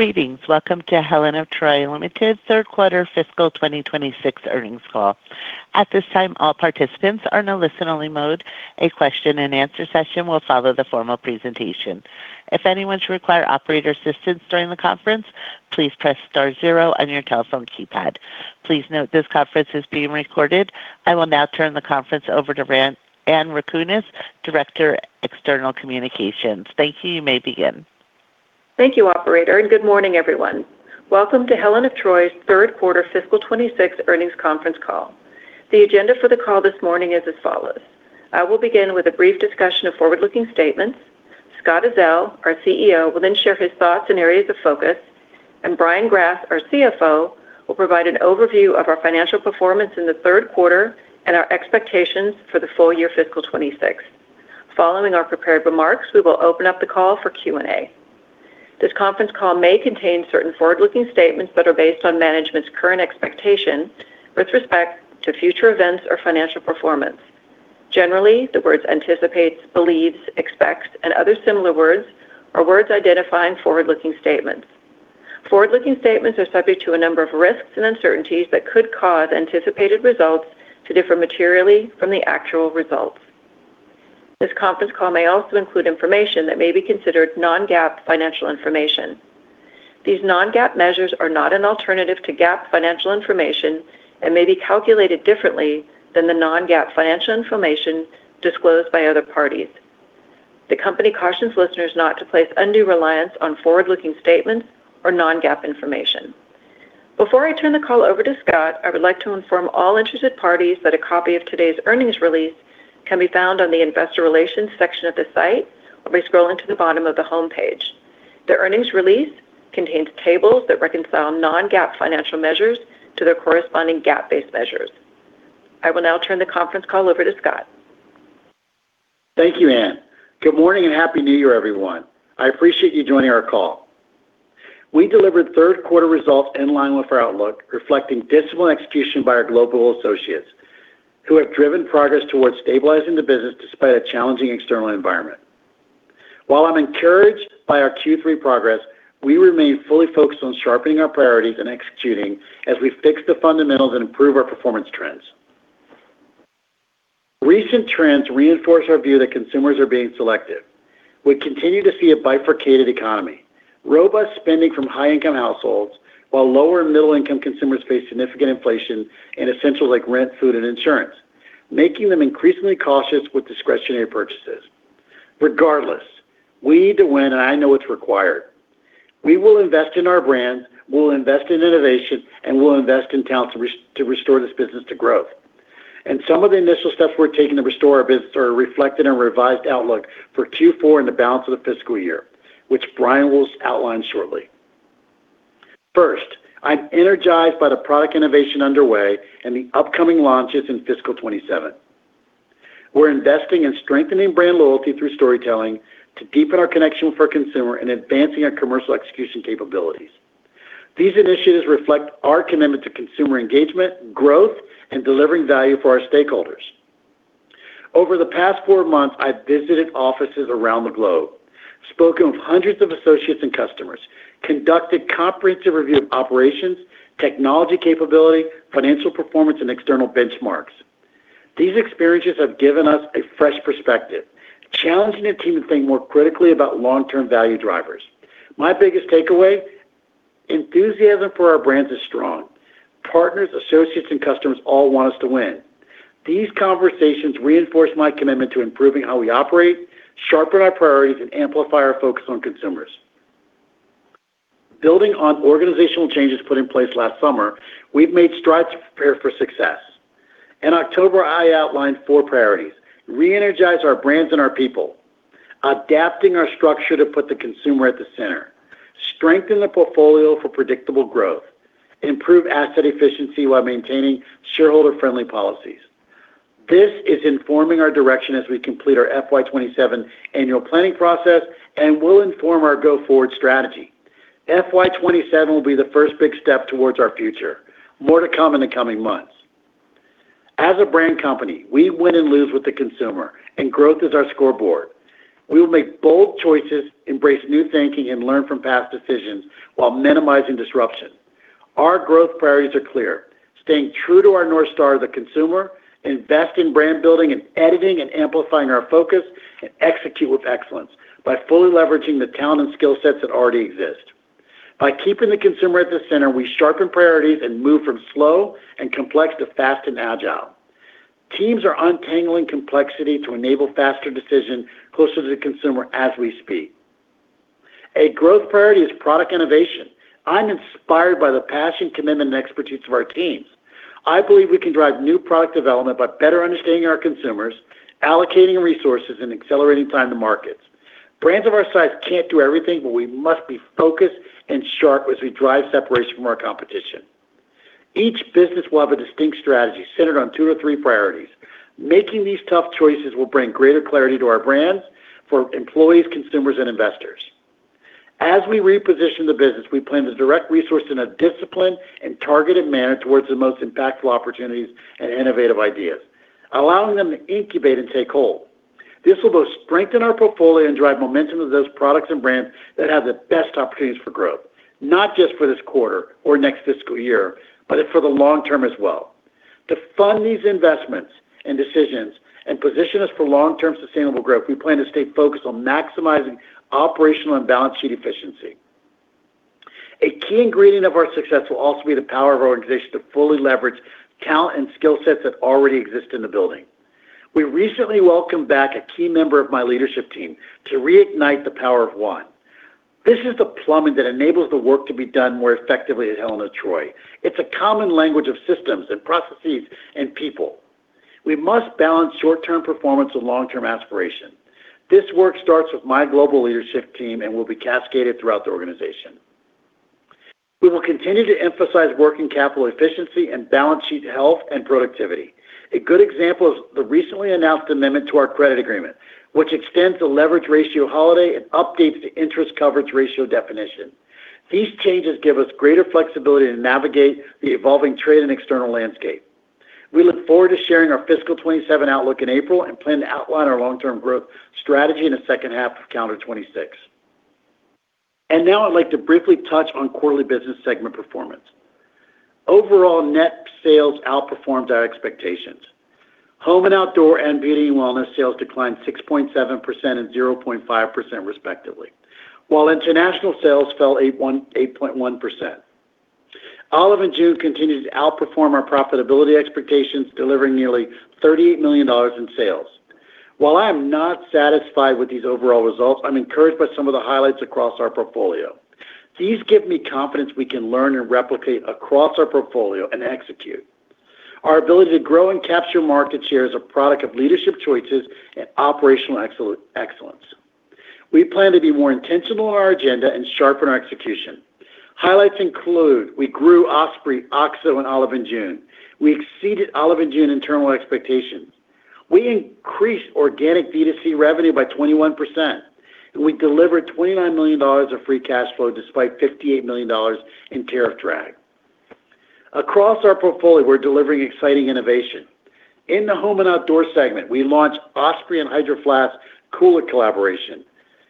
Greetings. Welcome to Helen of Troy Ltd, third quarter fiscal 2026 earnings call. At this time, all participants are in a listen-only mode. A question and answer session will follow the formal presentation. If anyone should require operator assistance during the conference, please press star zero on your telephone keypad. Please note this conference is being recorded. I will now turn the conference over to Anne Rakunas, Director of External Communications. Thank you. You may begin. Thank you, Operator, and good morning, everyone. Welcome to Helen of Troy's third quarter fiscal 2026 earnings conference call. The agenda for the call this morning is as follows. I will begin with a brief discussion of forward-looking statements. Scott Ezell, our CEO, will then share his thoughts and areas of focus, and Brian Grass, our CFO, will provide an overview of our financial performance in the third quarter and our expectations for the full year fiscal 2026. Following our prepared remarks, we will open up the call for Q&A. This conference call may contain certain forward-looking statements that are based on management's current expectation with respect to future events or financial performance. Generally, the words anticipates, believes, expects, and other similar words are words identifying forward-looking statements. Forward-looking statements are subject to a number of risks and uncertainties that could cause anticipated results to differ materially from the actual results. This conference call may also include information that may be considered non-GAAP financial information. These non-GAAP measures are not an alternative to GAAP financial information and may be calculated differently than the non-GAAP financial information disclosed by other parties. The company cautions listeners not to place undue reliance on forward-looking statements or non-GAAP information. Before I turn the call over to Scott, I would like to inform all interested parties that a copy of today's earnings release can be found on the investor relations section of the site by scrolling to the bottom of the homepage. The earnings release contains tables that reconcile non-GAAP financial measures to their corresponding GAAP-based measures. I will now turn the conference call over to Scott. Thank you, Anne. Good morning and happy New Year, everyone. I appreciate you joining our call. We delivered third quarter results in line with our outlook, reflecting disciplined execution by our global associates who have driven progress towards stabilizing the business despite a challenging external environment. While I'm encouraged by our Q3 progress, we remain fully focused on sharpening our priorities and executing as we fix the fundamentals and improve our performance trends. Recent trends reinforce our view that consumers are being selective. We continue to see a bifurcated economy, robust spending from high-income households, while lower and middle-income consumers face significant inflation and essentials like rent, food, and insurance, making them increasingly cautious with discretionary purchases. Regardless, we need to win, and I know it's required. We will invest in our brands, we'll invest in innovation, and we'll invest in talent to restore this business to growth. Some of the initial steps we're taking to restore our business are reflected in a revised outlook for Q4 and the balance of the fiscal year, which Brian will outline shortly. First, I'm energized by the product innovation underway and the upcoming launches in fiscal 2027. We're investing in strengthening brand loyalty through storytelling to deepen our connection with our consumer and advancing our commercial execution capabilities. These initiatives reflect our commitment to consumer engagement, growth, and delivering value for our stakeholders. Over the past four months, I've visited offices around the globe, spoken with hundreds of associates and customers, conducted comprehensive review of operations, technology capability, financial performance, and external benchmarks. These experiences have given us a fresh perspective, challenging the team to think more critically about long-term value drivers. My biggest takeaway: enthusiasm for our brands is strong. Partners, associates, and customers all want us to win. These conversations reinforce my commitment to improving how we operate, sharpen our priorities, and amplify our focus on consumers. Building on organizational changes put in place last summer, we've made strides to prepare for success. In October, I outlined four priorities: re-energize our brands and our people, adapting our structure to put the consumer at the center, strengthen the portfolio for predictable growth, improve asset efficiency while maintaining shareholder-friendly policies. This is informing our direction as we complete our FY 2027 annual planning process and will inform our go-forward strategy. FY 2027 will be the first big step towards our future. More to come in the coming months. As a brand company, we win and lose with the consumer, and growth is our scoreboard. We will make bold choices, embrace new thinking, and learn from past decisions while minimizing disruption. Our growth priorities are clear: staying true to our North Star, the consumer, invest in brand building and editing and amplifying our focus, and execute with excellence by fully leveraging the talent and skill sets that already exist. By keeping the consumer at the center, we sharpen priorities and move from slow and complex to fast and agile. Teams are untangling complexity to enable faster decision closer to the consumer as we speak. A growth priority is product innovation. I'm inspired by the passion, commitment, and expertise of our teams. I believe we can drive new product development by better understanding our consumers, allocating resources, and accelerating time to markets. Brands of our size can't do everything, but we must be focused and sharp as we drive separation from our competition. Each business will have a distinct strategy centered on two to three priorities. Making these tough choices will bring greater clarity to our brands for employees, consumers, and investors. As we reposition the business, we plan to direct resources in a disciplined and targeted manner towards the most impactful opportunities and innovative ideas, allowing them to incubate and take hold. This will both strengthen our portfolio and drive momentum to those products and brands that have the best opportunities for growth, not just for this quarter or next fiscal year, but for the long term as well. To fund these investments and decisions and position us for long-term sustainable growth, we plan to stay focused on maximizing operational and balance sheet efficiency. A key ingredient of our success will also be the power of our organization to fully leverage talent and skill sets that already exist in the building. We recently welcomed back a key member of my leadership team to reignite the Power of One. This is the plumbing that enables the work to be done more effectively at Helen of Troy. It's a common language of systems and processes and people. We must balance short-term performance and long-term aspiration. This work starts with my global leadership team and will be cascaded throughout the organization. We will continue to emphasize working capital efficiency and balance sheet health and productivity. A good example is the recently announced amendment to our credit agreement, which extends the leverage ratio holiday and updates the interest coverage ratio definition. These changes give us greater flexibility to navigate the evolving trade and external landscape. We look forward to sharing our fiscal 2027 outlook in April and plan to outline our long-term growth strategy in the second half of calendar 2026. And now I'd like to briefly touch on quarterly business segment performance. Overall, net sales outperformed our expectations. Home and outdoor and beauty and wellness sales declined 6.7% and 0.5% respectively, while international sales fell 8.1%. Olive & June continued to outperform our profitability expectations, delivering nearly $38 million in sales. While I am not satisfied with these overall results, I'm encouraged by some of the highlights across our portfolio. These give me confidence we can learn and replicate across our portfolio and execute. Our ability to grow and capture market share is a product of leadership choices and operational excellence. We plan to be more intentional in our agenda and sharpen our execution. Highlights include we grew Osprey, OXO, and Olive & June. We exceeded Olive & June's internal expectations. We increased organic D2C revenue by 21%, and we delivered $29 million of free cash flow despite $58 million in tariff drag. Across our portfolio, we're delivering exciting innovation. In the home and outdoor segment, we launched Osprey and Hydro Flask cooler collaboration,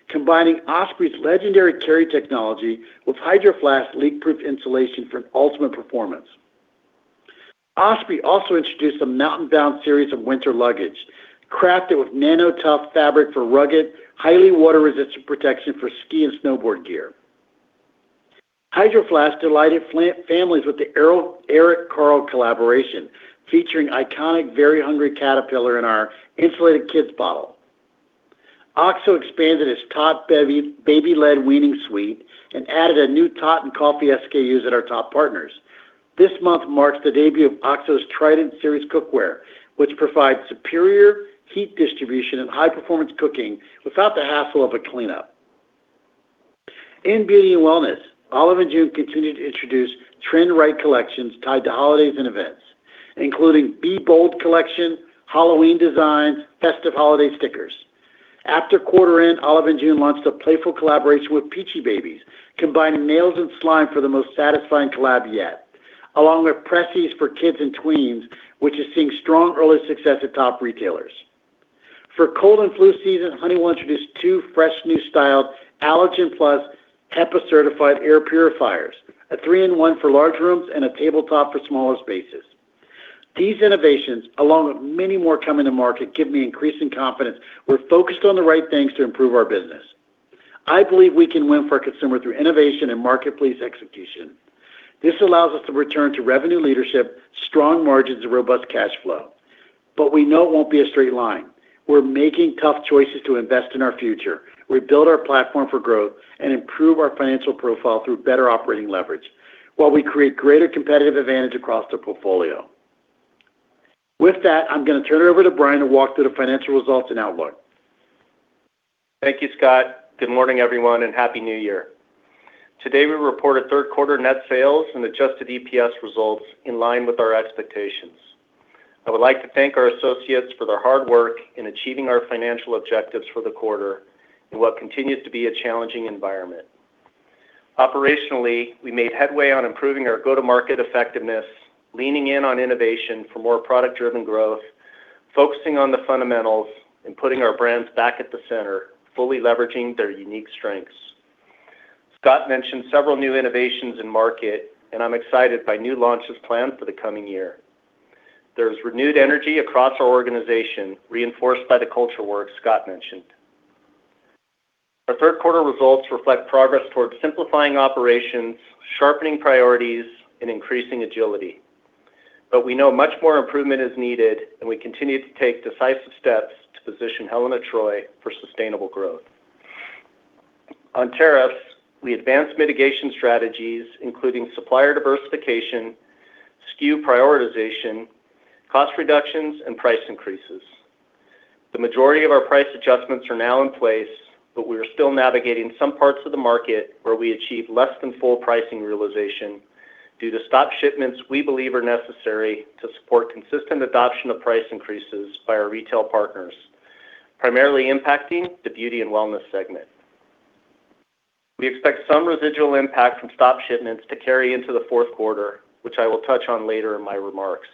combining Osprey's legendary carry technology with Hydro Flask leak-proof insulation for ultimate performance. Osprey also introduced a Mountain-bound series of winter luggage crafted with NanoTough fabric for rugged, highly water-resistant protection for ski and snowboard gear. Hydro Flask delighted families with the Eric Carle collaboration featuring the iconic Very Hungry Caterpillar in our insulated kids' bottle. OXO expanded its Tot baby-led weaning suite and added a new Tot and coffee SKUs at our Tot partners. This month marks the debut of OXO's Trident Series cookware, which provides superior heat distribution and high-performance cooking without the hassle of a cleanup. In beauty and wellness, Olive & June continued to introduce trend-right collections tied to holidays and events, including Be Bold collection, Halloween designs, and festive holiday stickers. After quarter-end, Olive & June launched a playful collaboration with Peachybbies, combining nails and slime for the most satisfying collab yet, along with Press-Ons for kids and tweens, which is seeing strong early success at Tot retailers. For cold and flu season, Honeywell introduced two fresh new styled Allergen Plus HEPA-certified air purifiers, a three-in-one for large rooms and a tabletop for smaller spaces. These innovations, along with many more coming to market, give me increasing confidence we're focused on the right things to improve our business. I believe we can win for our consumer through innovation and marketplace execution. This allows us to return to revenue leadership, strong margins, and robust cash flow. But we know it won't be a straight line. We're making tough choices to invest in our future. We build our platform for growth and improve our financial profile through better operating leverage while we create greater competitive advantage across the portfolio. With that, I'm going to turn it over to Brian to walk through the financial results and outlook. Thank you, Scott. Good morning, everyone, and happy New Year. Today, we reported third quarter net sales and adjusted EPS results in line with our expectations. I would like to thank our associates for their hard work in achieving our financial objectives for the quarter in what continues to be a challenging environment. Operationally, we made headway on improving our go-to-market effectiveness, leaning in on innovation for more product-driven growth, focusing on the fundamentals and putting our brands back at the center, fully leveraging their unique strengths. Scott mentioned several new innovations in market, and I'm excited by new launches planned for the coming year. There is renewed energy across our organization, reinforced by the culture work Scott mentioned. Our third quarter results reflect progress towards simplifying operations, sharpening priorities, and increasing agility. But we know much more improvement is needed, and we continue to take decisive steps to position Helen of Troy for sustainable growth. On tariffs, we advanced mitigation strategies, including supplier diversification, SKU prioritization, cost reductions, and price increases. The majority of our price adjustments are now in place, but we are still navigating some parts of the market where we achieve less than full pricing realization due to stop shipments we believe are necessary to support consistent adoption of price increases by our retail partners, primarily impacting the beauty and wellness segment. We expect some residual impact from stop shipments to carry into the fourth quarter, which I will touch on later in my remarks.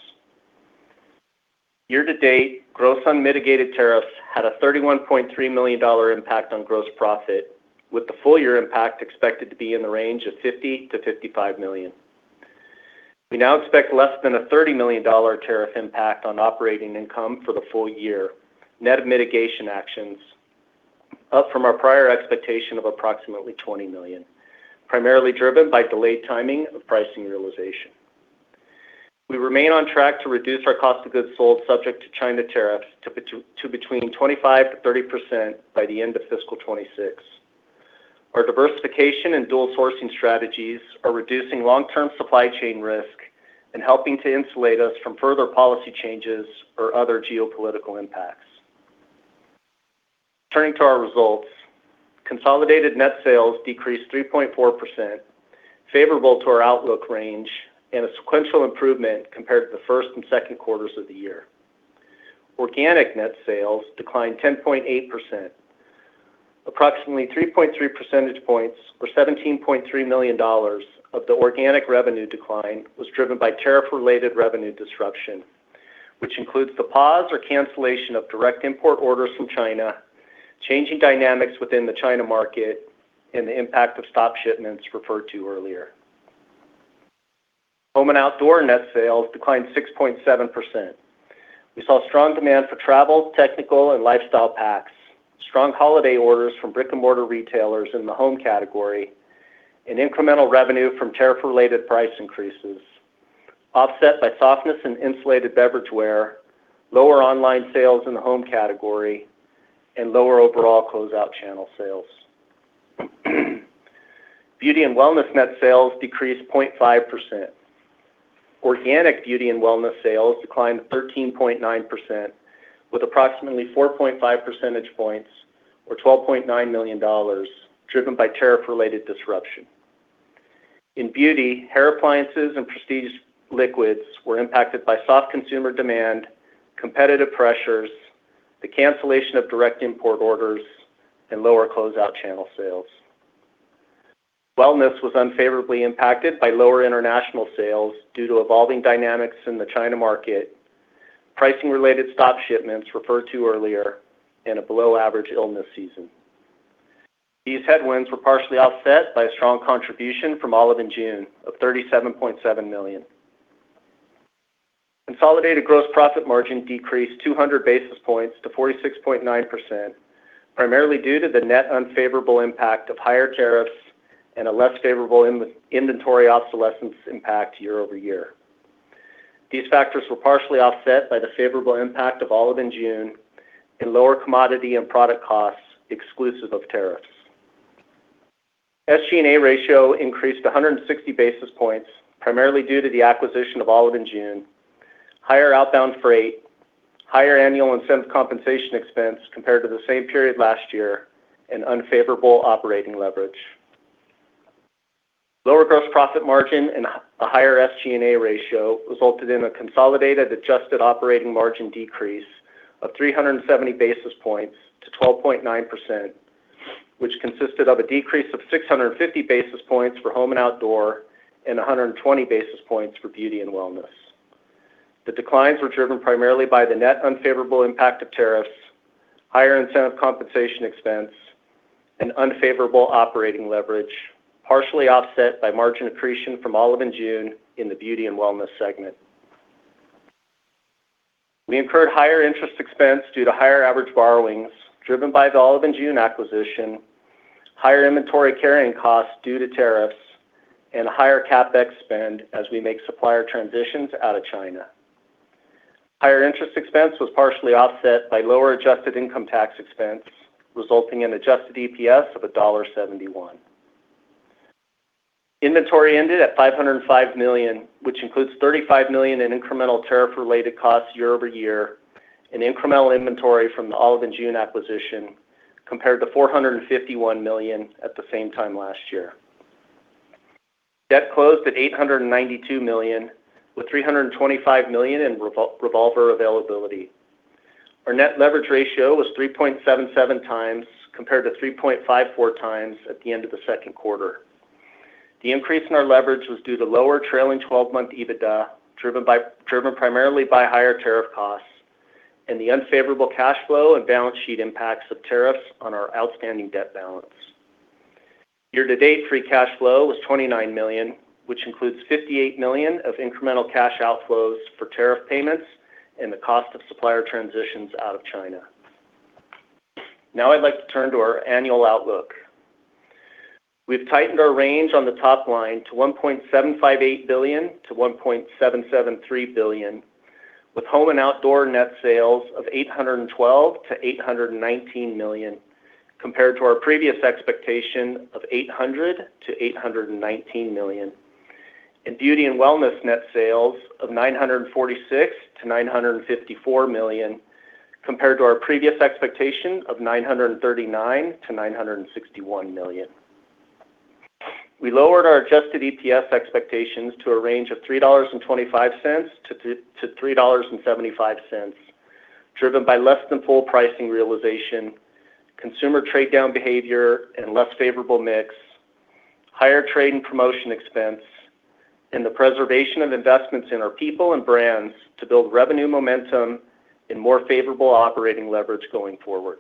Year-to-date, gross unmitigated tariffs had a $31.3 million impact on gross profit, with the full year impact expected to be in the range of $50 million-$55 million. We now expect less than a $30 million tariff impact on operating income for the full year. Net mitigation actions up from our prior expectation of approximately $20 million, primarily driven by delayed timing of pricing realization. We remain on track to reduce our cost of goods sold subject to China tariffs to between 25% to 30% by the end of fiscal 2026. Our diversification and dual sourcing strategies are reducing long-term supply chain risk and helping to insulate us from further policy changes or other geopolitical impacts. Turning to our results, consolidated net sales decreased 3.4%, favorable to our outlook range and a sequential improvement compared to the first and second quarters of the year. Organic net sales declined 10.8%. Approximately 3.3 percentage points or $17.3 million of the organic revenue decline was driven by tariff-related revenue disruption, which includes the pause or cancellation of direct import orders from China, changing dynamics within the China market, and the impact of stop shipments referred to earlier. Home and outdoor net sales declined 6.7%. We saw strong demand for travel, technical, and lifestyle packs, strong holiday orders from brick-and-mortar retailers in the home category, and incremental revenue from tariff-related price increases, offset by softness in insulated beverageware, lower online sales in the home category, and lower overall closeout channel sales. Beauty and wellness net sales decreased 0.5%. Organic beauty and wellness sales declined 13.9%, with approximately 4.5 percentage points or $12.9 million driven by tariff-related disruption. In beauty, hair appliances and prestige liquids were impacted by soft consumer demand, competitive pressures, the cancellation of direct import orders, and lower closeout channel sales. Wellness was unfavorably impacted by lower international sales due to evolving dynamics in the China market, pricing-related stop shipments referred to earlier, and a below-average illness season. These headwinds were partially offset by a strong contribution from Olive & June of $37.7 million. Consolidated gross profit margin decreased 200 basis points to 46.9%, primarily due to the net unfavorable impact of higher tariffs and a less favorable inventory obsolescence impact year-over-year. These factors were partially offset by the favorable impact of Olive & June and lower commodity and product costs exclusive of tariffs. SG&A ratio increased 160 basis points, primarily due to the acquisition of Olive & June, higher outbound freight, higher annual incentive compensation expense compared to the same period last year, and unfavorable operating leverage. Lower gross profit margin and a higher SG&A ratio resulted in a consolidated adjusted operating margin decrease of 370 basis points to 12.9%, which consisted of a decrease of 650 basis points for home and outdoor and 120 basis points for beauty and wellness. The declines were driven primarily by the net unfavorable impact of tariffs, higher incentive compensation expense, and unfavorable operating leverage, partially offset by margin accretion from Olive & June in the beauty and wellness segment. We incurred higher interest expense due to higher average borrowings driven by the Olive & June acquisition, higher inventory carrying costs due to tariffs, and a higher CapEx spend as we make supplier transitions out of China. Higher interest expense was partially offset by lower adjusted income tax expense, resulting in adjusted EPS of $1.71. Inventory ended at $505 million, which includes $35 million in incremental tariff-related costs year-over-year and incremental inventory from the Olive and June acquisition, compared to $451 million at the same time last year. Debt closed at $892 million, with $325 million in revolver availability. Our net leverage ratio was 3.77x compared to 3.54x at the end of the second quarter. The increase in our leverage was due to lower trailing 12-month EBITDA, driven primarily by higher tariff costs and the unfavorable cash flow and balance sheet impacts of tariffs on our outstanding debt balance. Year-to-date, free cash flow was $29 million, which includes $58 million of incremental cash outflows for tariff payments and the cost of supplier transitions out of China. Now I'd like to turn to our annual outlook. We've tightened our range on the top line to $1.758 billion-$1.773 billion, with home and outdoor net sales of $812 million-$819 million, compared to our previous expectation of $800 million-$819 million, and beauty and wellness net sales of $946 million-$954 million, compared to our previous expectation of $939 million-$961 million. We lowered our adjusted EPS expectations to a range of $3.25-$3.75, driven by less than full pricing realization, consumer trade-down behavior and less favorable mix, higher trade and promotion expense, and the preservation of investments in our people and brands to build revenue momentum and more favorable operating leverage going forward.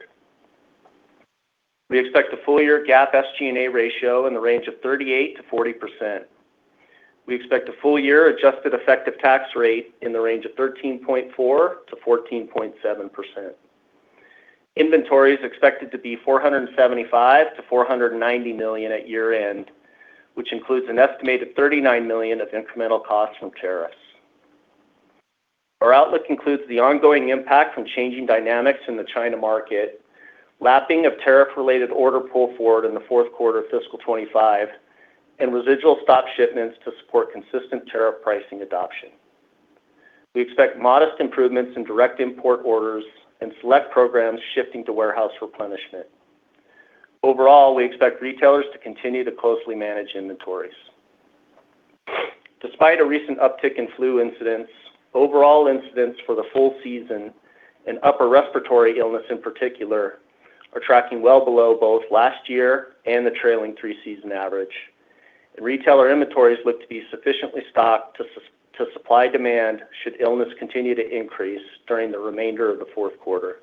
We expect a full year GAAP SG&A ratio in the range of 38%-40%. We expect a full year adjusted effective tax rate in the range of 13.4%-14.7%. Inventory is expected to be $475 million-$490 million at year-end, which includes an estimated $39 million of incremental costs from tariffs. Our outlook includes the ongoing impact from changing dynamics in the China market, lapping of tariff-related order pull forward in the fourth quarter of fiscal 2025, and residual stop shipments to support consistent tariff pricing adoption. We expect modest improvements in direct import orders and select programs shifting to warehouse replenishment. Overall, we expect retailers to continue to closely manage inventories. Despite a recent uptick in flu incidents, overall incidents for the full season and upper respiratory illness in particular are tracking well below both last year and the trailing three-season average. Retailer inventories look to be sufficiently stocked to supply demand should illness continue to increase during the remainder of the fourth quarter.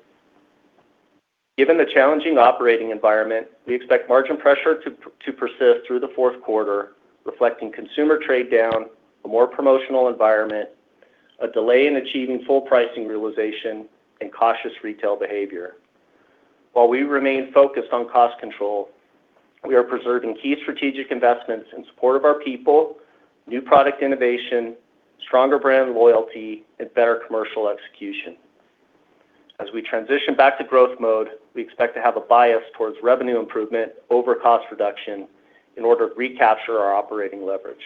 Given the challenging operating environment, we expect margin pressure to persist through the fourth quarter, reflecting consumer trade-down, a more promotional environment, a delay in achieving full pricing realization, and cautious retail behavior. While we remain focused on cost control, we are preserving key strategic investments in support of our people, new product innovation, stronger brand loyalty, and better commercial execution. As we transition back to growth mode, we expect to have a bias towards revenue improvement over cost reduction in order to recapture our operating leverage.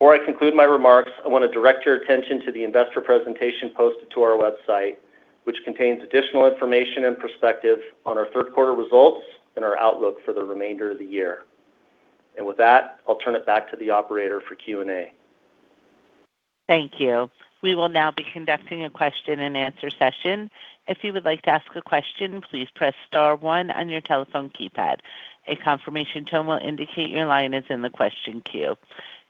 Before I conclude my remarks, I want to direct your attention to the investor presentation posted to our website, which contains additional information and perspective on our third quarter results and our outlook for the remainder of the year. And with that, I'll turn it back to the operator for Q&A. Thank you. We will now be conducting a question and answer session. If you would like to ask a question, please press star one on your telephone keypad. A confirmation tone will indicate your line is in the question queue.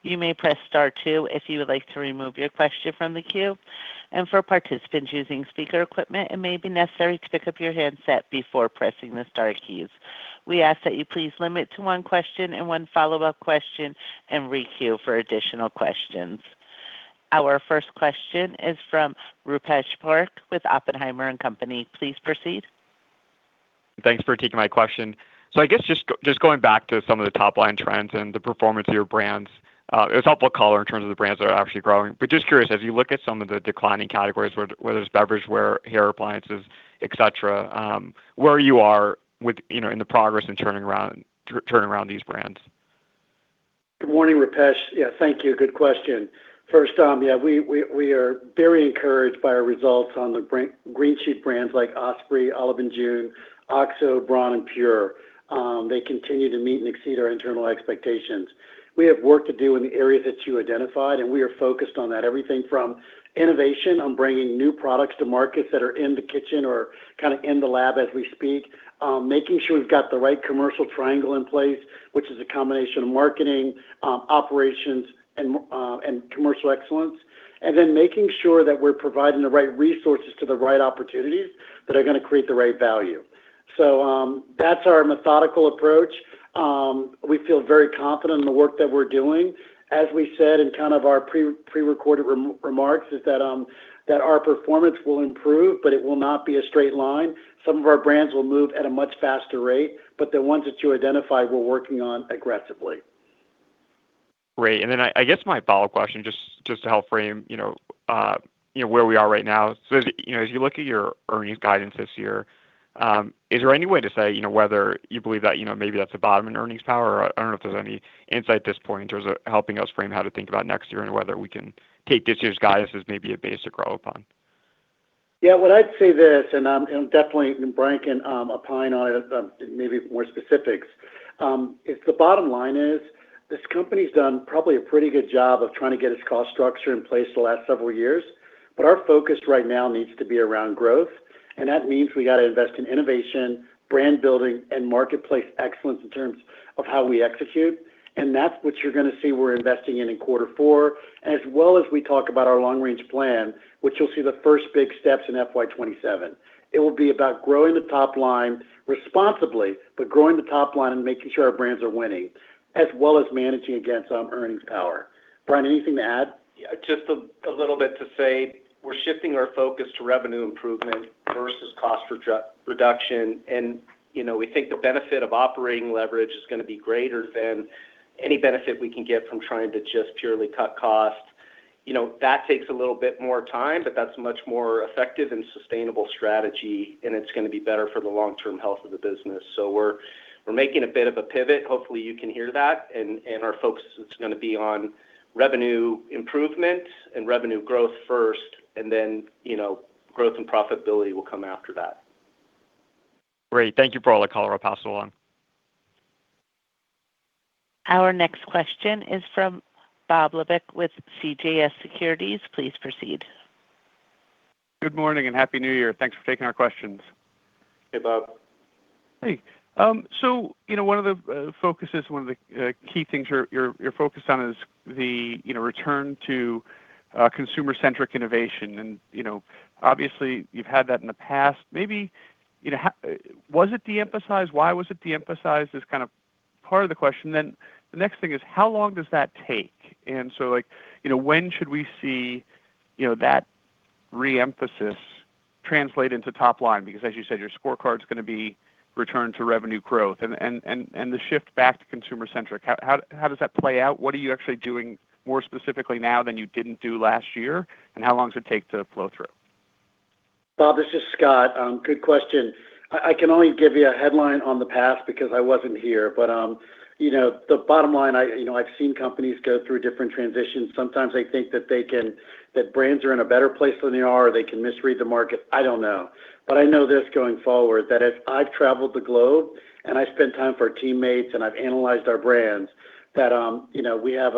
You may press star two if you would like to remove your question from the queue. And for participants using speaker equipment, it may be necessary to pick up your handset before pressing the star keys. We ask that you please limit to one question and one follow-up question and re-queue for additional questions. Our first question is from Rupesh Parikh with Oppenheimer & Co. Please proceed. Thanks for taking my question. So I guess just going back to some of the top-line trends and the performance of your brands, it was helpful to call out the brands that are actually growing. But just curious, as you look at some of the declining categories, whether it's beverageware, hair appliances, etc., where you are in the process of turning around these brands? Good morning, Rupesh. Yeah, thank you. Good question. First, yeah, we are very encouraged by our results on the green shoot brands like Osprey, Olive & June, OXO, Braun, and PUR. They continue to meet and exceed our internal expectations. We have work to do in the areas that you identified, and we are focused on that. Everything from innovation on bringing new products to markets that are in the kitchen or kind of in the lab as we speak, making sure we've got the right Commercial Triangle in place, which is a combination of marketing, operations, and commercial excellence, and then making sure that we're providing the right resources to the right opportunities that are going to create the right value. o that's our methodical approach. We feel very confident in the work that we're doing. As we said in kind of our prerecorded remarks, is that our performance will improve, but it will not be a straight line. Some of our brands will move at a much faster rate, but the ones that you identified, we're working on aggressively. Great. And then I guess my follow-up question, just to help frame where we are right now. So as you look at your earnings guidance this year, is there any way to say whether you believe that maybe that's the bottom in earnings power? I don't know if there's any insight at this point in terms of helping us frame how to think about next year and whether we can take this year's guidance as maybe a base to grow upon. Yeah, well, I'd say this, and I'm definitely letting Brian opine on it, maybe more specifics. The bottom line is this company's done probably a pretty good job of trying to get its cost structure in place the last several years, but our focus right now needs to be around growth. And that means we got to invest in innovation, brand building, and marketplace excellence in terms of how we execute. And that's what you're going to see we're investing in in quarter four, as well as we talk about our long-range plan, which you'll see the first big steps in FY 2027. It will be about growing the top line responsibly, but growing the top line and making sure our brands are winning, as well as managing against earnings power. Brian, anything to add? Yeah, just a little bit to say we're shifting our focus to revenue improvement versus cost reduction, and we think the benefit of operating leverage is going to be greater than any benefit we can get from trying to just purely cut costs. That takes a little bit more time, but that's a much more effective and sustainable strategy, and it's going to be better for the long-term health of the business, so we're making a bit of a pivot. Hopefully, you can hear that, and our focus is going to be on revenue improvement and revenue growth first, and then growth and profitability will come after that. Great. Thank you all for the call. I'll pass it along. Our next question is from Bob Labick with CJS Securities. Please proceed. Good morning and happy New Year. Thanks for taking our questions. Hey, Bob. Hey. So one of the focuses, one of the key things you're focused on is the return to consumer-centric innovation. And obviously, you've had that in the past. Maybe was it de-emphasized? Why was it de-emphasized is kind of part of the question. Then the next thing is, how long does that take? And so when should we see that re-emphasis translate into top line? Because as you said, your scorecard's going to be return to revenue growth and the shift back to consumer-centric. How does that play out? What are you actually doing more specifically now than you didn't do last year? And how long does it take to flow through? Bob, this is Scott. Good question. I can only give you a headline on the path because I wasn't here. But the bottom line, I've seen companies go through different transitions. Sometimes they think that brands are in a better place than they are, or they can misread the market. I don't know. But I know this going forward, that if I've traveled the globe and I spent time with our teammates and I've analyzed our brands, that we have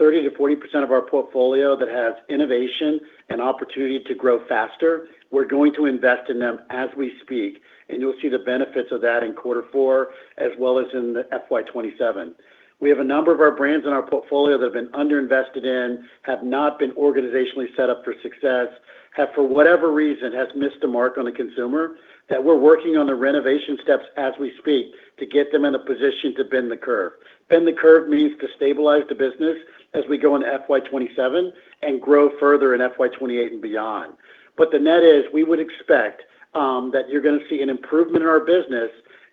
30%-40% of our portfolio that has innovation and opportunity to grow faster, we're going to invest in them as we speak. And you'll see the benefits of that in quarter four as well as in FY 2027. We have a number of our brands in our portfolio that have been underinvested in, have not been organizationally set up for success, have for whatever reason missed the mark on the consumer, that we're working on the renovation steps as we speak to get them in a position to bend the curve. Bend the curve means to stabilize the business as we go into FY 2027 and grow further in FY 2028 and beyond. But the net is we would expect that you're going to see an improvement in our business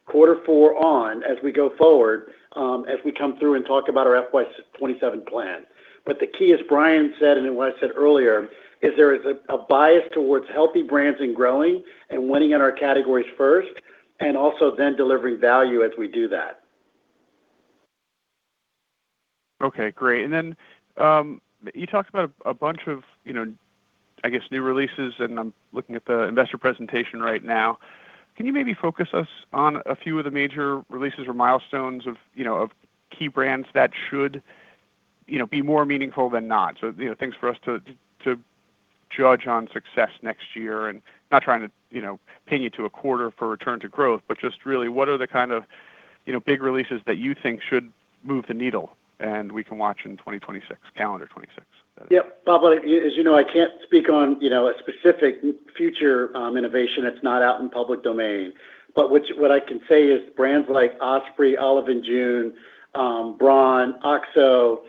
quarter four on as we go forward, as we come through and talk about our FY 2027 plan. But the key, as Brian said and what I said earlier, is there is a bias towards healthy brands and growing and winning in our categories first and also then delivering value as we do that. Okay. Great. And then you talked about a bunch of, I guess, new releases, and I'm looking at the investor presentation right now. Can you maybe focus us on a few of the major releases or milestones of key brands that should be more meaningful than not? So things for us to judge on success next year and not trying to pin you to a quarter for return to growth, but just really what are the kind of big releases that you think should move the needle and we can watch in 2026, calendar 2026? Yep. Bob, as you know, I can't speak on a specific future innovation that's not out in public domain. But what I can say is brands like Osprey, Olive & June, Braun, OXO,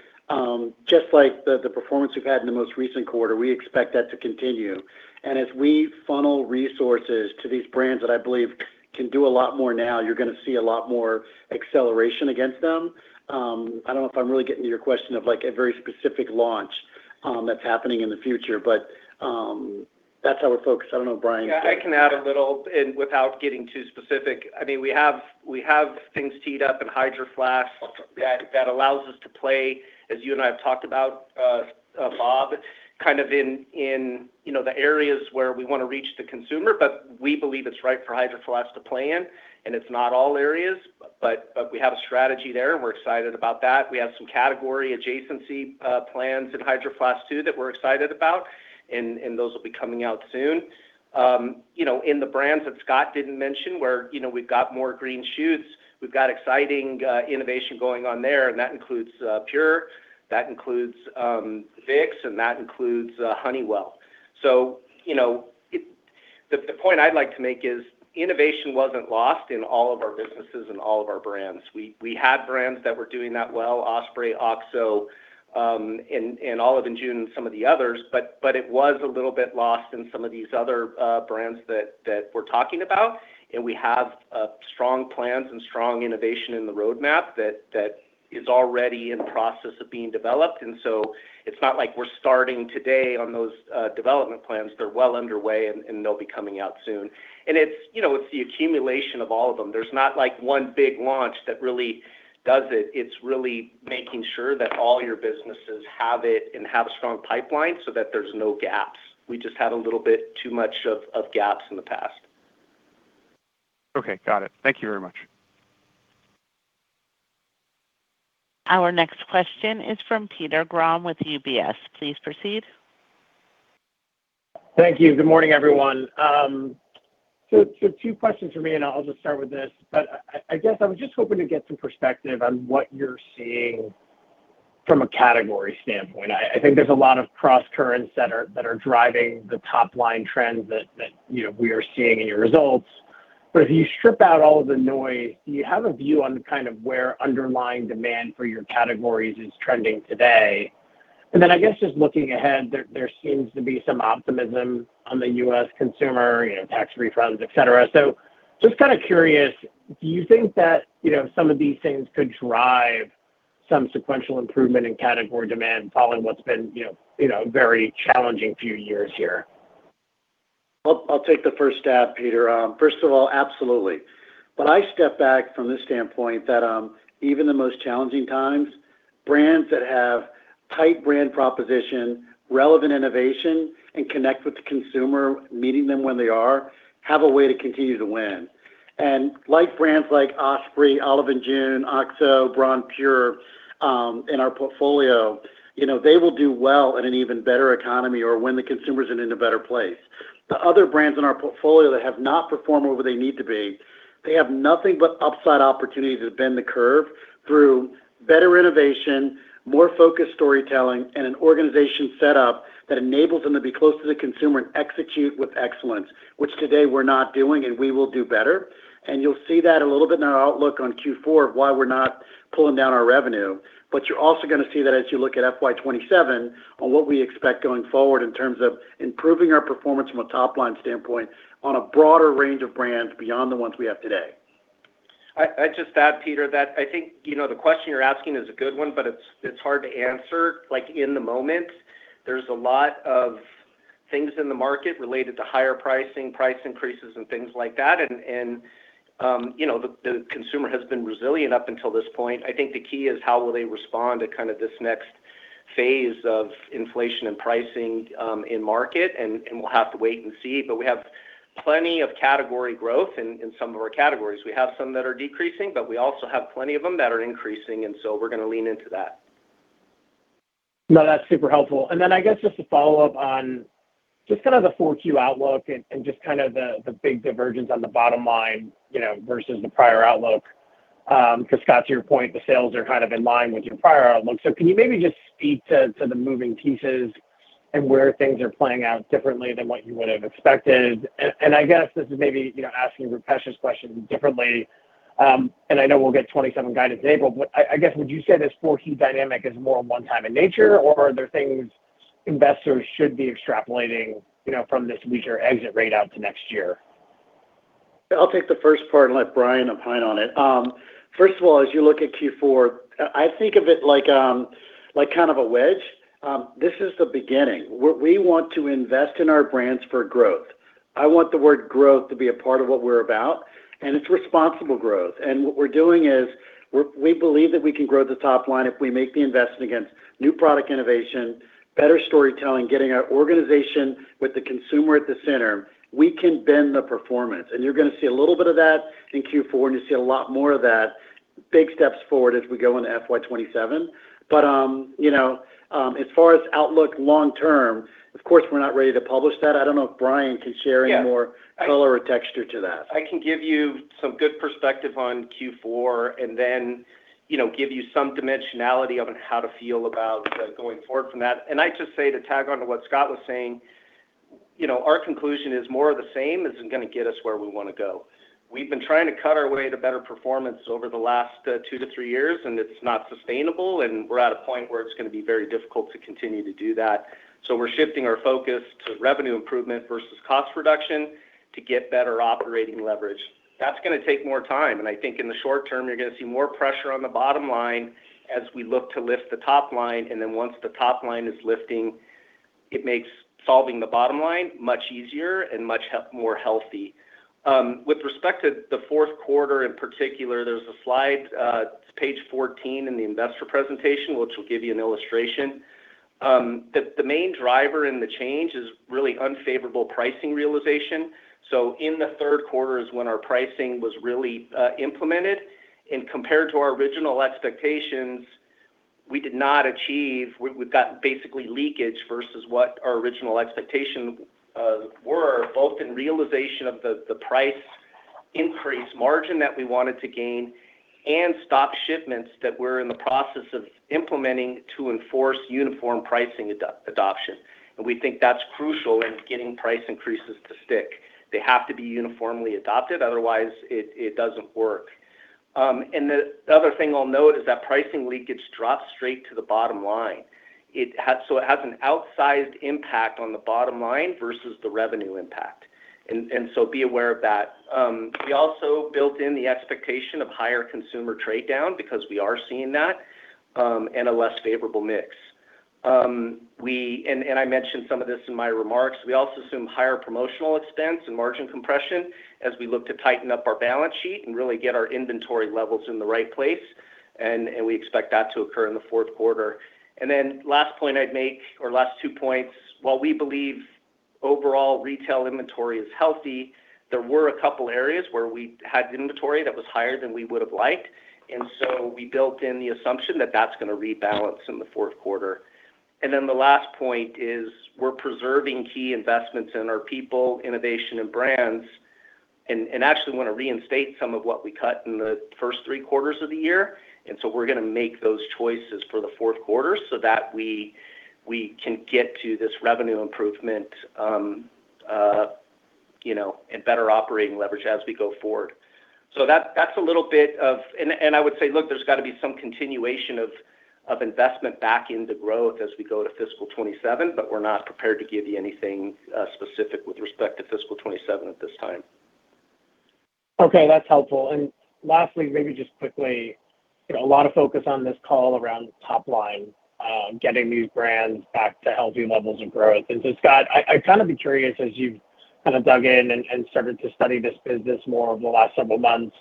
just like the performance we've had in the most recent quarter, we expect that to continue, and as we funnel resources to these brands that I believe can do a lot more now, you're going to see a lot more acceleration against them. I don't know if I'm really getting to your question of a very specific launch that's happening in the future, but that's how we're focused. I don't know, Brian. Yeah, I can add a little without getting too specific. I mean, we have things teed up in Hydro Flask that allows us to play, as you and I have talked about, Bob, kind of in the areas where we want to reach the consumer, but we believe it's right for Hydro Flask to play in, and it's not all areas, but we have a strategy there, and we're excited about that. We have some category adjacency plans in Hydro Flask too that we're excited about, and those will be coming out soon. In the brands that Scott didn't mention, where we've got more green shoots, we've got exciting innovation going on there, and that includes PUR, that includes Vicks, and that includes Honeywell, so the point I'd like to make is innovation wasn't lost in all of our businesses and all of our brands. We had brands that were doing that well, Osprey, OXO, and Olive & June, and some of the others, but it was a little bit lost in some of these other brands that we're talking about. And we have strong plans and strong innovation in the roadmap that is already in the process of being developed. And so it's not like we're starting today on those development plans. They're well underway, and they'll be coming out soon. And it's the accumulation of all of them. There's not one big launch that really does it. It's really making sure that all your businesses have it and have a strong pipeline so that there's no gaps. We just had a little bit too much of gaps in the past. Okay. Got it. Thank you very much. Our next question is from Peter Grom with UBS. Please proceed. Thank you. Good morning, everyone. So two questions for me, and I'll just start with this. But I guess I was just hoping to get some perspective on what you're seeing from a category standpoint. I think there's a lot of cross-currents that are driving the top-line trends that we are seeing in your results. But if you strip out all of the noise, do you have a view on kind of where underlying demand for your categories is trending today? And then I guess just looking ahead, there seems to be some optimism on the U.S. consumer, tax refunds, etc. So just kind of curious, do you think that some of these things could drive some sequential improvement in category demand following what's been a very challenging few years here? I'll take the first stab, Peter. First of all, absolutely. But I step back from this standpoint that even in the most challenging times, brands that have tight brand proposition, relevant innovation, and connect with the consumer, meeting them when they are, have a way to continue to win. And like brands like Osprey, Olive & June, OXO, Braun, PUR in our portfolio, they will do well in an even better economy or when the consumer's in a better place. The other brands in our portfolio that have not performed where they need to be, they have nothing but upside opportunity to bend the curve through better innovation, more focused storytelling, and an organization setup that enables them to be close to the consumer and execute with excellence, which today we're not doing, and we will do better. You'll see that a little bit in our outlook on Q4 of why we're not pulling down our revenue. You're also going to see that as you look at FY 2027 on what we expect going forward in terms of improving our performance from a top-line standpoint on a broader range of brands beyond the ones we have today. I'd just add, Peter, that I think the question you're asking is a good one, but it's hard to answer. In the moment, there's a lot of things in the market related to higher pricing, price increases, and things like that. The consumer has been resilient up until this point. I think the key is how will they respond to kind of this next phase of inflation and pricing in market, and we'll have to wait and see. But we have plenty of category growth in some of our categories. We have some that are decreasing, but we also have plenty of them that are increasing, and so we're going to lean into that. No, that's super helpful. Then I guess just to follow up on just kind of the Q4 outlook and just kind of the big divergence on the bottom line versus the prior outlook. Because, Scott, to your point, the sales are kind of in line with your prior outlook. Can you maybe just speak to the moving pieces and where things are playing out differently than what you would have expected? I guess this is maybe asking a repetitious question differently. I know we'll get 2027 guidance in April, but I guess would you say this Q4 dynamic is more one-time in nature, or are there things investors should be extrapolating from this week or exit rate out to next year? I'll take the first part and let Brian opine on it. First of all, as you look at Q4, I think of it like kind of a wedge. This is the beginning. We want to invest in our brands for growth. I want the word growth to be a part of what we're about, and it's responsible growth. And what we're doing is we believe that we can grow the top line if we make the investment against new product innovation, better storytelling, getting our organization with the consumer at the center. We can bend the performance. And you're going to see a little bit of that in Q4, and you'll see a lot more of that. Big steps forward as we go into FY 2027. But as far as outlook long-term, of course, we're not ready to publish that. I don't know if Brian can share any more color or texture to that. I can give you some good perspective on Q4 and then give you some dimensionality on how to feel about going forward from that. And I just say to tack on to what Scott was saying, our conclusion is more of the same isn't going to get us where we want to go. We've been trying to cut our way to better performance over the last two to three years, and it's not sustainable, and we're at a point where it's going to be very difficult to continue to do that. So we're shifting our focus to revenue improvement versus cost reduction to get better operating leverage. That's going to take more time. I think in the short term, you're going to see more pressure on the bottom line as we look to lift the top line. Then once the top line is lifting, it makes solving the bottom line much easier and much more healthy. With respect to the fourth quarter in particular, there's a slide, it's Page 14 in the investor presentation, which will give you an illustration. The main driver in the change is really unfavorable pricing realization. In the third quarter is when our pricing was really implemented. Compared to our original expectations, we did not achieve. We've got basically leakage versus what our original expectations were, both in realization of the price increase margin that we wanted to gain and stop shipments that we're in the process of implementing to enforce uniform pricing adoption. We think that's crucial in getting price increases to stick. They have to be uniformly adopted. Otherwise, it doesn't work. And the other thing I'll note is that pricing leakage drops straight to the bottom line. So it has an outsized impact on the bottom line versus the revenue impact. And so be aware of that. We also built in the expectation of higher consumer trade down because we are seeing that and a less favorable mix. And I mentioned some of this in my remarks. We also assume higher promotional expense and margin compression as we look to tighten up our balance sheet and really get our inventory levels in the right place. And we expect that to occur in the fourth quarter. And then last point I'd make, or last two points, while we believe overall retail inventory is healthy, there were a couple of areas where we had inventory that was higher than we would have liked. And so we built in the assumption that that's going to rebalance in the fourth quarter. And then the last point is we're preserving key investments in our people, innovation, and brands, and actually want to reinstate some of what we cut in the first three quarters of the year. And so we're going to make those choices for the fourth quarter so that we can get to this revenue improvement and better operating leverage as we go forward. That's a little bit of, and I would say, look, there's got to be some continuation of investment back into growth as we go to fiscal 2027, but we're not prepared to give you anything specific with respect to fiscal 2027 at this time. Okay. That's helpful. And lastly, maybe just quickly, a lot of focus on this call around top line, getting these brands back to healthy levels of growth. And so Scott, I'd kind of be curious as you've kind of dug in and started to study this business more over the last several months,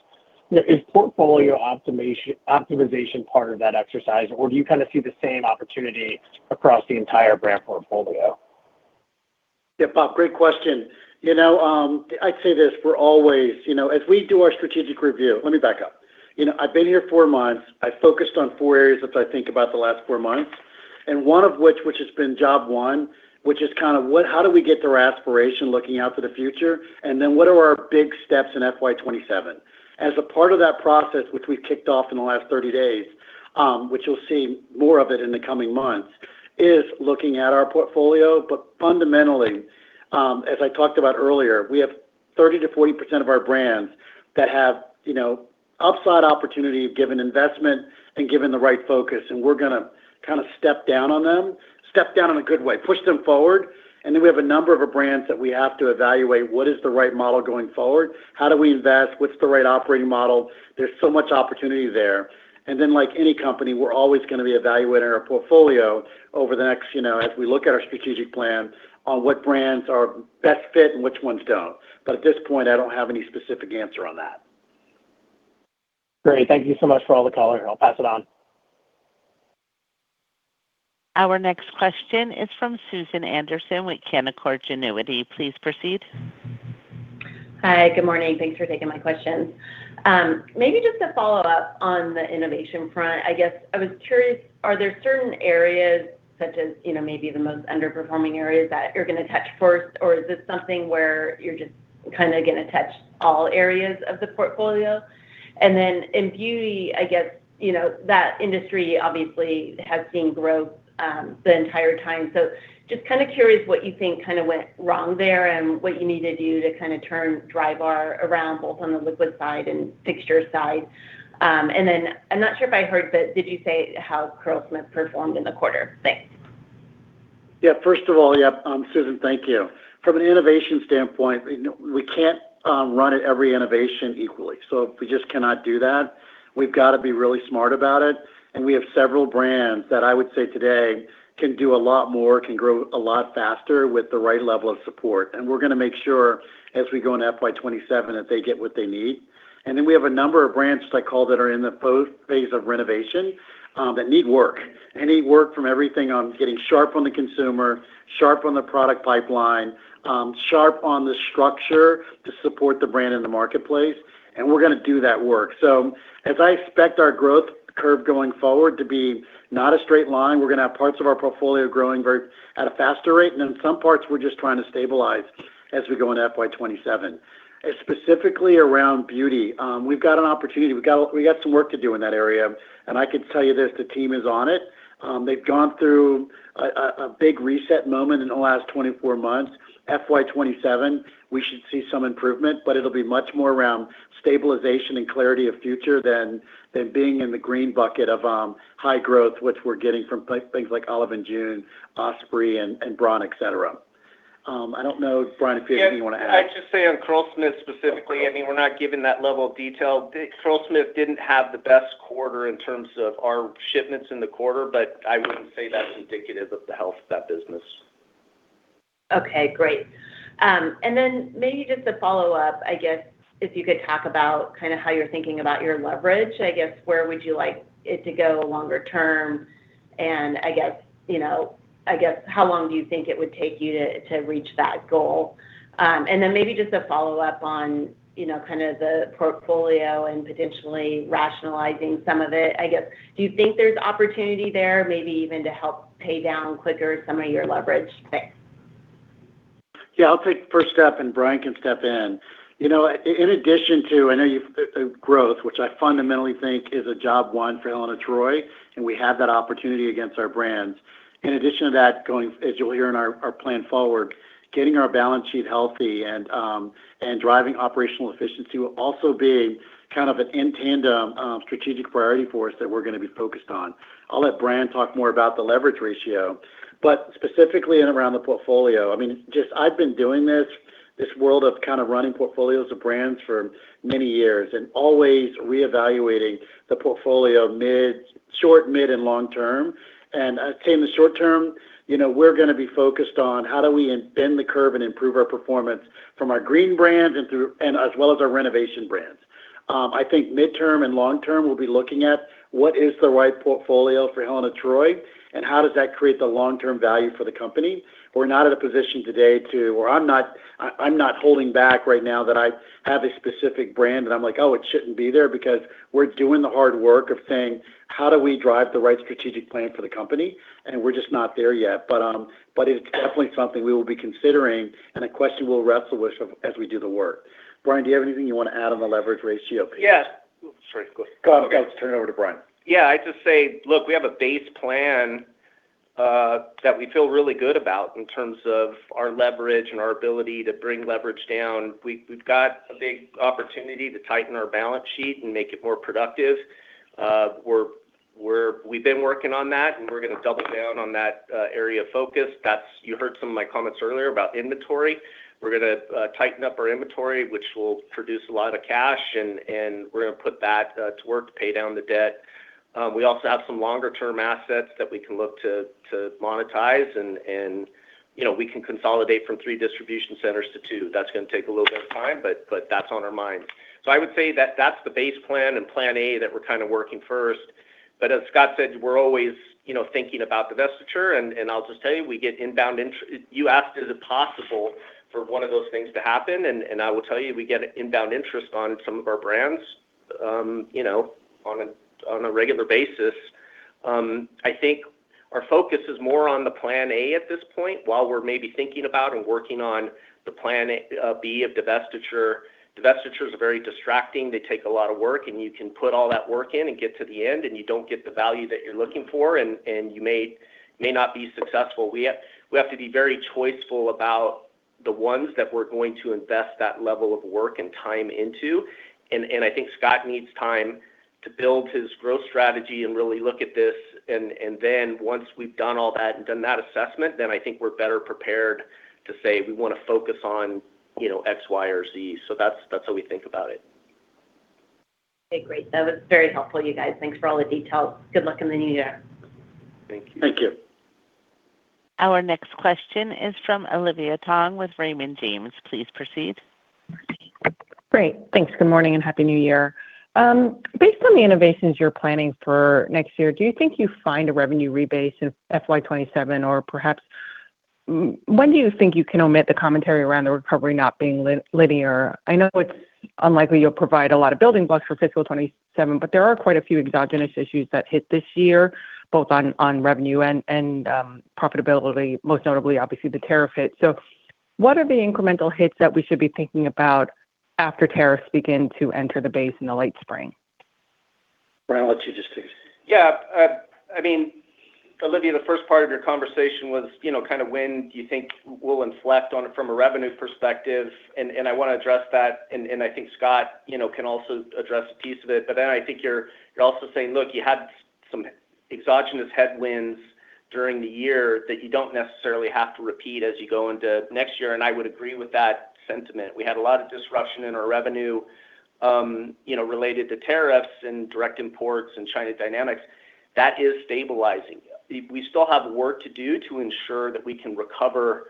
is portfolio optimization part of that exercise, or do you kind of see the same opportunity across the entire brand portfolio? Yeah, Bob, great question. I'd say this for always. As we do our strategic review, let me back up. I've been here four months. I focused on four areas that I think about the last four months, and one of which, which has been job one, which is kind of how do we get their aspiration looking out to the future, and then what are our big steps in FY 2027? As a part of that process, which we've kicked off in the last 30 days, which you'll see more of it in the coming months, is looking at our portfolio. But fundamentally, as I talked about earlier, we have 30%-40% of our brands that have upside opportunity given investment and given the right focus, and we're going to kind of step down on them, step down in a good way, push them forward. And then we have a number of brands that we have to evaluate what is the right model going forward, how do we invest, what's the right operating model? There's so much opportunity there. And then like any company, we're always going to be evaluating our portfolio over the next, as we look at our strategic plan, on what brands are best fit and which ones don't. But at this point, I don't have any specific answer on that. Great. Thank you so much for all the color. I'll pass it on. Our next question is from Susan Anderson with Canaccord Genuity. Please proceed. Hi, good morning. Thanks for taking my question. Maybe just to follow up on the innovation front, I guess I was curious, are there certain areas such as maybe the most underperforming areas that you're going to touch first, or is this something where you're just kind of going to touch all areas of the portfolio? And then in beauty, I guess that industry obviously has seen growth the entire time. So just kind of curious what you think kind of went wrong there and what you need to do to kind of turn Drybar around both on the liquid side and fixture side. And then I'm not sure if I heard, but did you say how Curlsmith performed in the quarter? Thanks. Yeah. First of all, yeah, Susan, thank you. From an innovation standpoint, we can't run at every innovation equally. So if we just cannot do that, we've got to be really smart about it. And we have several brands that I would say today can do a lot more, can grow a lot faster with the right level of support. And we're going to make sure as we go into FY 2027 that they get what they need. And then we have a number of brands that I call that are in the phase of renovation that need work. They need work from everything on getting sharp on the consumer, sharp on the product pipeline, sharp on the structure to support the brand in the marketplace. And we're going to do that work. So as I expect our growth curve going forward to be not a straight line, we're going to have parts of our portfolio growing at a faster rate, and then some parts we're just trying to stabilize as we go into FY 2027. Specifically around beauty, we've got an opportunity. We've got some work to do in that area. And I could tell you this, the team is on it. They've gone through a big reset moment in the last 24 months. FY 2027, we should see some improvement, but it'll be much more around stabilization and clarity of future than being in the green bucket of high growth, which we're getting from things like Olive & June, Osprey, and Braun, etc. I don't know, Brian, if you have anything you want to add. Yeah. I'd just say on Curlsmith specifically, I mean, we're not giving that level of detail. Curlsmith didn't have the best quarter in terms of our shipments in the quarter, but I wouldn't say that's indicative of the health of that business. Okay. Great. And then maybe just to follow up, I guess, if you could talk about kind of how you're thinking about your leverage, I guess, where would you like it to go longer term? And I guess, how long do you think it would take you to reach that goal? And then maybe just a follow-up on kind of the portfolio and potentially rationalizing some of it. I guess, do you think there's opportunity there maybe even to help pay down quicker some of your leverage? Thanks. Yeah. I'll take the first step, and Brian can step in. In addition to, I know you have growth, which I fundamentally think is a job one for Helen of Troy, and we have that opportunity across our brands. In addition to that, as you'll hear in our plan forward, getting our balance sheet healthy and driving operational efficiency will also be kind of an in tandem strategic priority for us that we're going to be focused on. I'll let Brian talk more about the leverage ratio, but specifically around the portfolio. I mean, just I've been doing this world of kind of running portfolios of brands for many years and always reevaluating the portfolio short, mid, and long term. I'd say in the short term, we're going to be focused on how do we bend the curve and improve our performance from our Green Brands as well as our Renovation Brands. I think midterm and long term we'll be looking at what is the right portfolio for Helen of Troy and how does that create the long-term value for the company. We're not in a position today where I'm not holding back right now that I have a specific brand that I'm like, "Oh, it shouldn't be there," because we're doing the hard work of saying, "How do we drive the right strategic plan for the company," and we're just not there yet, but it's definitely something we will be considering, and the question we'll wrestle with as we do the work. Brian, do you have anything you want to add on the leverage ratio piece? Sorry. Go ahead. I'll turn it over to Brian. Yeah. I'd just say, look, we have a base plan that we feel really good about in terms of our leverage and our ability to bring leverage down. We've got a big opportunity to tighten our balance sheet and make it more productive. We've been working on that, and we're going to double down on that area of focus. You heard some of my comments earlier about inventory. We're going to tighten up our inventory, which will produce a lot of cash, and we're going to put that to work to pay down the debt. We also have some longer-term assets that we can look to monetize, and we can consolidate from three distribution centers to two. That's going to take a little bit of time, but that's on our minds. So I would say that that's the base plan and Plan A that we're kind of working first. But as Scott said, we're always thinking about the divestiture, and I'll just tell you, we get inbound interest. You asked, is it possible for one of those things to happen? And I will tell you, we get inbound interest on some of our brands on a regular basis. I think our focus is more on the Plan A at this point while we're maybe thinking about and working on the Plan B of the divestiture. The divestiture is very distracting. They take a lot of work, and you can put all that work in and get to the end, and you don't get the value that you're looking for, and you may not be successful. We have to be very choiceful about the ones that we're going to invest that level of work and time into. And I think Scott needs time to build his growth strategy and really look at this. And then once we've done all that and done that assessment, then I think we're better prepared to say we want to focus on X, Y, or Z. So that's how we think about it. Okay. Great. That was very helpful, you guys. Thanks for all the details. Good luck in the new year. Thank you. Thank you. Our next question is from Olivia Tong with Raymond James. Please proceed. Great. Thanks. Good morning and happy new year. Based on the innovations you're planning for next year, do you think you find a revenue rebase in FY 2027, or perhaps when do you think you can omit the commentary around the recovery not being linear? I know it's unlikely you'll provide a lot of building blocks for fiscal 2027, but there are quite a few exogenous issues that hit this year, both on revenue and profitability, most notably, obviously, the tariff hit. So what are the incremental hits that we should be thinking about after tariffs begin to enter the base in the late spring? Brian, I'll let you just take it. Yeah. I mean, Olivia, the first part of your conversation was kind of when do you think we'll inflect on it from a revenue perspective? And I want to address that, and I think Scott can also address a piece of it. But then I think you're also saying, look, you had some exogenous headwinds during the year that you don't necessarily have to repeat as you go into next year. And I would agree with that sentiment. We had a lot of disruption in our revenue related to tariffs and direct imports and China dynamics. That is stabilizing. We still have work to do to ensure that we can recover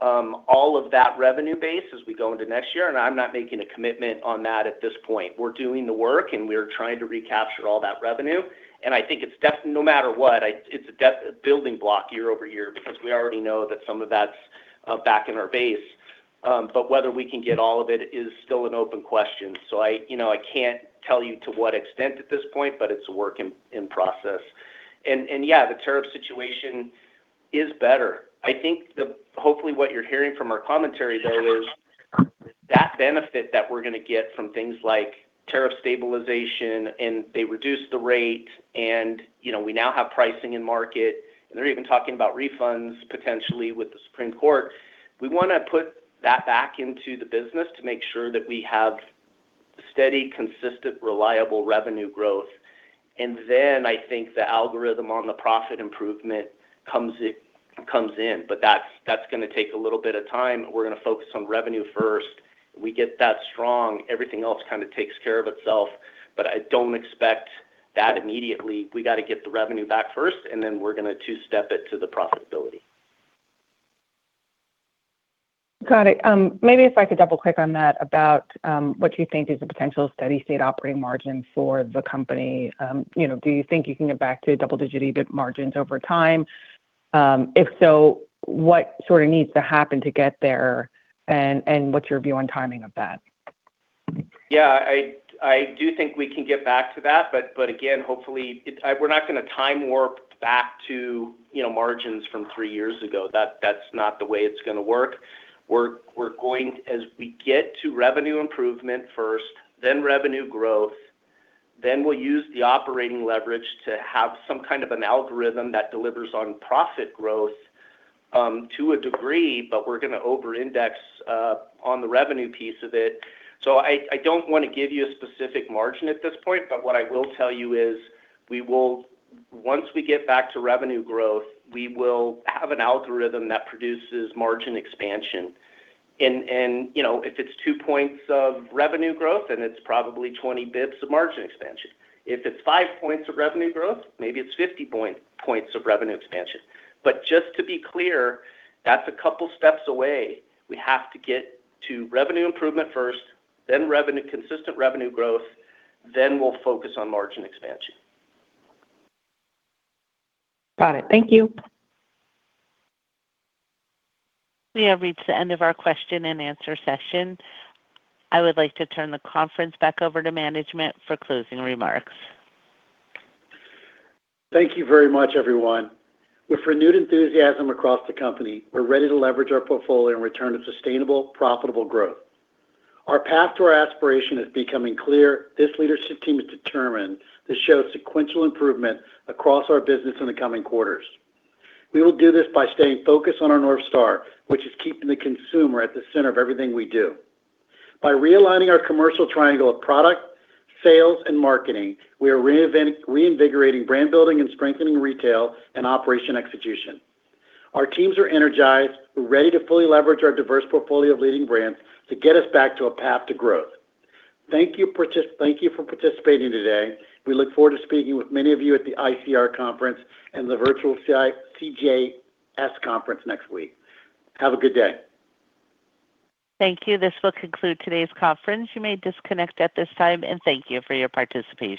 all of that revenue base as we go into next year. And I'm not making a commitment on that at this point. We're doing the work, and we're trying to recapture all that revenue. And I think it's no matter what, it's a building block year-over-year because we already know that some of that's back in our base. But whether we can get all of it is still an open question. So I can't tell you to what extent at this point, but it's a work in process. And yeah, the tariff situation is better. I think hopefully what you're hearing from our commentary, though, is that benefit that we're going to get from things like tariff stabilization, and they reduce the rate, and we now have pricing in market, and they're even talking about refunds potentially with the Supreme Court. We want to put that back into the business to make sure that we have steady, consistent, reliable revenue growth. And then I think the algorithm on the profit improvement comes in, but that's going to take a little bit of time. We're going to focus on revenue first. We get that strong. Everything else kind of takes care of itself, but I don't expect that immediately. We got to get the revenue back first, and then we're going to two-step it to the profitability. Got it. Maybe if I could double-click on that about what you think is a potential steady-state operating margin for the company? Do you think you can get back to double-digit margins over time? If so, what sort of needs to happen to get there, and what's your view on timing of that? Yeah. I do think we can get back to that. But again, hopefully, we're not going to time warp back to margins from three years ago. That's not the way it's going to work. We're going to, as we get to revenue improvement first, then revenue growth, then we'll use the operating leverage to have some kind of an algorithm that delivers on profit growth to a degree, but we're going to over-index on the revenue piece of it. So I don't want to give you a specific margin at this point, but what I will tell you is once we get back to revenue growth, we will have an algorithm that produces margin expansion. And if it's two points of revenue growth, then it's probably 20 basis points of margin expansion. If it's five points of revenue growth, maybe it's 50 basis points of margin expansion. But just to be clear, that's a couple of steps away. We have to get to revenue improvement first, then consistent revenue growth, then we'll focus on margin expansion. Got it. Thank you. We have reached the end of our question and answer session. I would like to turn the conference back over to management for closing remarks. Thank you very much, everyone. With renewed enthusiasm across the company, we're ready to leverage our portfolio and return to sustainable, profitable growth. Our path to our aspiration is becoming clear. This leadership team is determined to show sequential improvement across our business in the coming quarters. We will do this by staying focused on our North Star, which is keeping the consumer at the center of everything we do. By realigning our Commercial Triangle of product, sales, and marketing, we are reinvigorating brand building and strengthening retail and operation execution. Our teams are energized. We're ready to fully leverage our diverse portfolio of leading brands to get us back to a path to growth. Thank you for participating today. We look forward to speaking with many of you at the ICR Conference and the virtual CJS Conference next week. Have a good day. Thank you. This will conclude today's conference. You may disconnect at this time, and thank you for your participation.